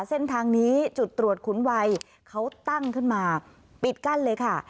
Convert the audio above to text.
เส้นทางนี้จุดตรวจขุนวัยเขาตั้งขึ้นมาปิดกั้นเลยค่ะ